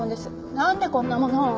なんでこんなものを？